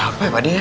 kenapa ya pak d